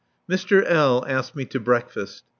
_] Mr. L. asked me to breakfast.